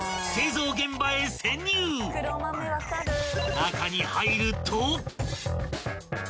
［中に入ると］